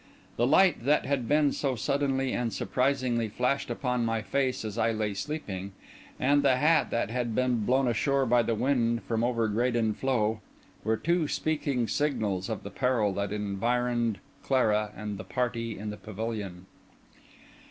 The light that had been so suddenly and surprisingly flashed upon my face as I lay sleeping, and the hat that had been blown ashore by the wind from over Graden Floe, were two speaking signals of the peril that environed Clara and the party in the pavilion.